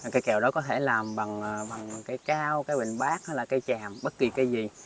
cái kèo đó có thể làm bằng cái cao cái bình bát hay là cây tràm bất kỳ cây gì